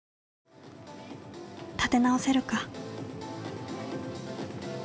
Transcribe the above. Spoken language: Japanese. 立て直せるか。